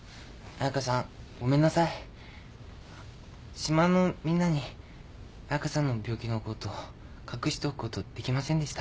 島のみんなに彩佳さんの病気のことを隠しておくことできませんでした。